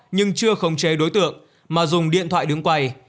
nhưng chưa khống chế đối tượng mà dùng điện thoại đứng quay